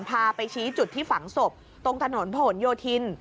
พาไปชี้จุดที่ฝังศพตรงถนนผนโยธิน